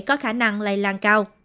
có khả năng lây lan cao